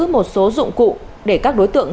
một số dụng cụ để các đối tượng